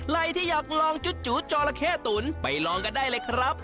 ใครที่อยากลองจุจอละเข้ตุ๋นไปลองกันได้เลยครับ